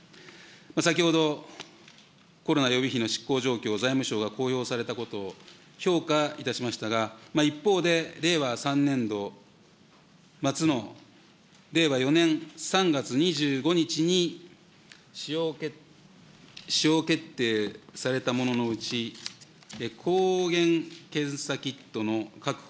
先ほど、コロナ予備費の執行状況、財務省が公表されたことを、評価いたしましたが、一方で、令和３年度末の令和４年３月２５日に、使用決定されたもののうち、抗原検査キットの確保